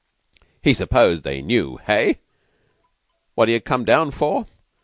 He supposed they knew hey? what he had come down for?